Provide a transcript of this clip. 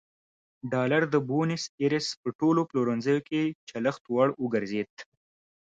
ډالر د بونیس ایرس په ټولو پلورنځیو کې چلښت وړ وګرځېد.